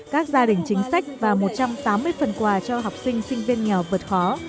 các gia đình chính sách và một trăm tám mươi phần quà cho học sinh sinh viên nghèo vượt khó